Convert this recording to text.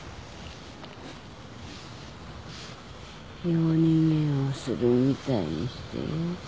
夜逃げをするみたいにしてよ